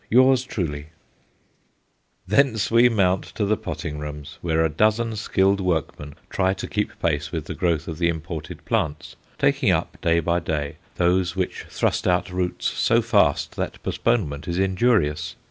Yours truly Thence we mount to the potting rooms, where a dozen skilled workmen try to keep pace with the growth of the imported plants; taking up, day by day, those which thrust out roots so fast that postponement is injurious.